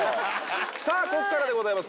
さぁここからでございます